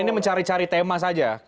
ini mencari cari tema saja